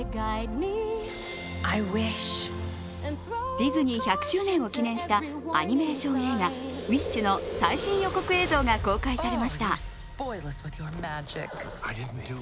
ディズニー１００周年を記念したアニメーション映画、「ウィッシュ」の最新予告映像が公開されました。